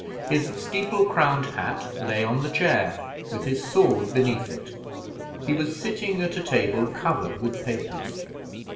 His steeple crowned hat lay on the chair, with his sword beneath it. He was sitting at a table covered with papers.